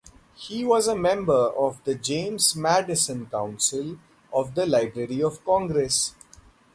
He was a member of the James Madison Council of the Library of Congress.